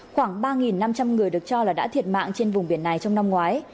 khoảng ba năm trăm linh người được cho là đã thiệt mạng trên vùng biển này trong năm ngoái